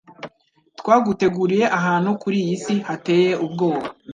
twaguteguriye ahantu kuri iyi si hateye ubwoba